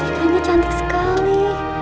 wah ikannya cantik sekali